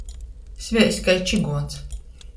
Sveist kai čyguons.